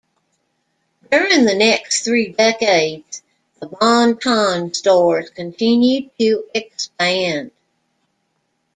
During the next three decades, the Bon-Ton Stores continued to expand.